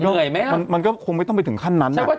เหนื่อยไหมอ่ะมันก็คงไม่ต้องไปถึงขั้นนั้นอ่ะใช่ว่า